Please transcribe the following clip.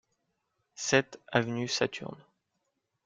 sept avenue Saturne